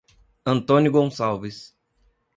Antônio Gonçalves